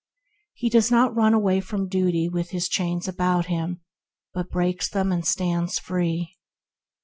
He does not run away from Duty with his chains about him, but breaks them and stands free.